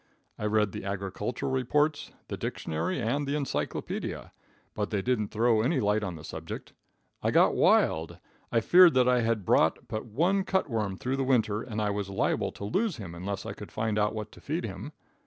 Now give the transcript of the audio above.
I read the agricultural reports, the dictionary, and the encyclopedia, but they didn't throw any light on the subject. I got wild. I feared that I had brought but one cut worm through the winter, and I was liable to lose him unless I could find out what to feed him.